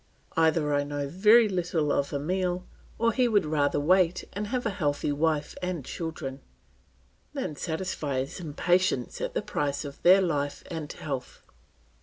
Either I know very little of Emile, or he would rather wait and have a healthy wife and children, than satisfy his impatience at the price of their life and health.